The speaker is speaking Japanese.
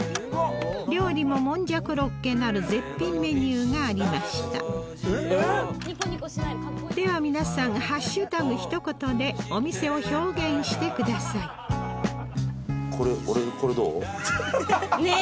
料理ももんじゃコロッケなる絶品メニューがありましたでは皆さんハッシュタグ一言でお店を表現してくださいねえ！